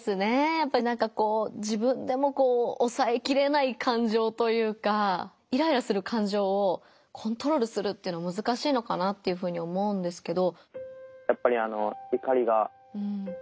やっぱりなんかこう自分でもこうおさえきれない感情というかイライラする感情をコントロールするっていうのはむずかしいのかなっていうふうに思うんですけど。